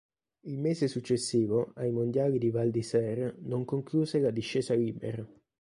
Il mese successivo ai Mondiali di Val-d'Isère non concluse la discesa libera.